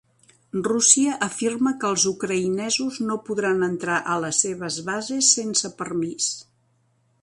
Rússia afirma que els ucraïnesos no podran entrar a les seves bases sense permís.